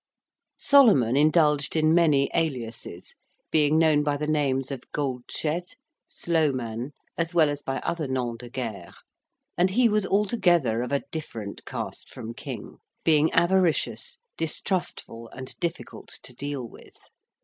Solomon indulged in many aliases, being known by the names of Goldsched, Slowman, as well as by other noms de guerre; and he was altogether of a different cast from King, being avaricious, distrustful, and difficult to deal with.